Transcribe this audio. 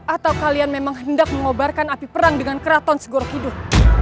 atau kalian memang hendak mengobarkan api perang dengan keraton segorok hidup